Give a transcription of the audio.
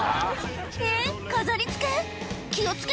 えっ飾りつけ？